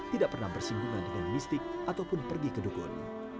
tidak pernah bersinggungan dengan mistik ataupun pergi ke dukun